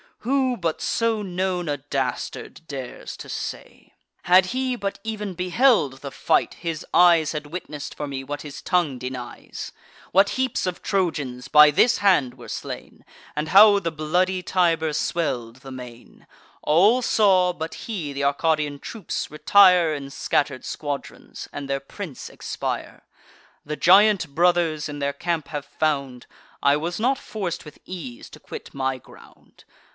Who, but so known a dastard, dares to say? Had he but ev'n beheld the fight, his eyes Had witness'd for me what his tongue denies: What heaps of Trojans by this hand were slain, And how the bloody Tiber swell'd the main. All saw, but he, th' Arcadian troops retire In scatter'd squadrons, and their prince expire. The giant brothers, in their camp, have found, I was not forc'd with ease to quit my ground.